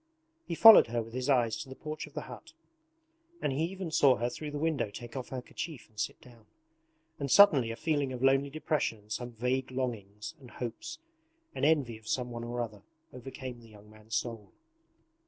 He followed her with his eyes to the porch of the hut, and he even saw her through the window take off her kerchief and sit down. And suddenly a feeling of lonely depression and some vague longings and hopes, and envy of someone or other, overcame the young man's soul.